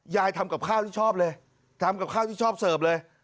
ทำกับข้าวที่ชอบเลยทำกับข้าวที่ชอบเสิร์ฟเลย